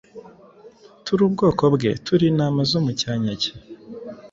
Turi ubwoko bwe, turi intama zo mu cyanya cye.